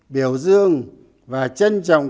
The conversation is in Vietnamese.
biểu dương và trân trọng